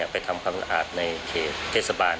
ไปทำความสะอาดในเขตเทศบาล